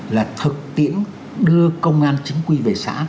là thực tiễn đưa công an chính quy về xã